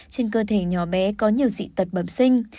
trên cơ thể nhỏ bé có nhiều dị tật bẩm sinh